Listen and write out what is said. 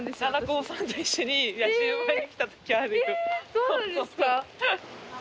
そうなんですか！？